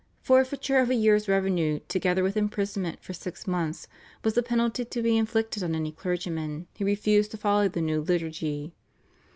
Forfeiture of a year's revenue together with imprisonment for six months was the penalty to be inflicted on any clergyman who refused to follow the new liturgy.